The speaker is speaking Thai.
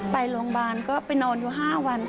ไปโรงพยาบาลก็ไปนอนอยู่๕วัน